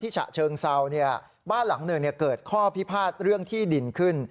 ฉะเชิงเซาบ้านหลังหนึ่งเกิดข้อพิพาทเรื่องที่ดินขึ้น